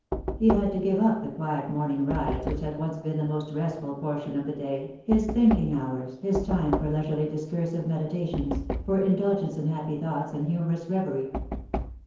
He had to give up the quiet morning rides which had once been the most restful portion of the day, his thinking hours, his time for leisurely discursive meditations, for indul gence in happy thoughts and humorous reverie.